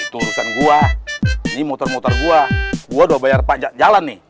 itu urusan gua ini motor motor gua gua udah bayar pajak jalan nih